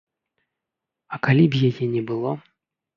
А калі б яе не было?